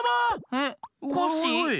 えっコッシー？